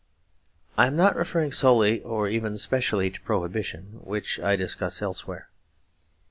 I am not referring solely or even specially to Prohibition, which I discuss elsewhere.